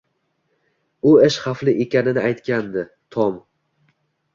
U ish xavfli ekanini aytgandi, Tom